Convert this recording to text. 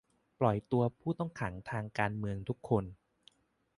ปล่อยตัวผู้ต้องขังทางการเมืองทุกคน